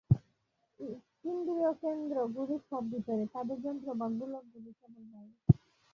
ইন্দ্রিয়কেন্দ্রগুলি সব ভিতরে, তাদের যন্ত্র বা গোলকগুলি কেবল বাইরে।